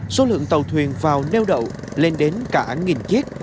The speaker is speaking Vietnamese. số lượng tàu thuyền vào neo đậu lên đến cả hàng nghìn chiếc